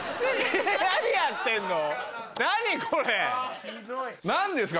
何やってんの？